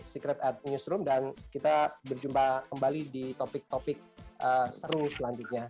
secret at newsroom dan kita berjumpa kembali di topik topik seru selanjutnya